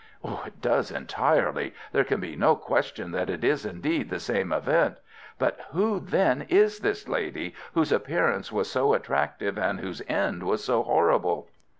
"It does entirely. There can be no question that it is indeed the same event. But who, then, is this lady whose appearance was so attractive and whose end was so horrible?"